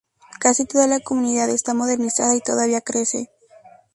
Casi toda la comunidad está modernizada y todavía crece.